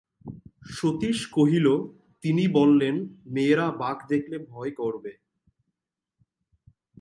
সতীশ কহিল, তিনি বললেন, মেয়েরা বাঘ দেখলে ভয় করবে।